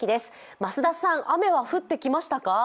増田さん、雨は降ってきましたか？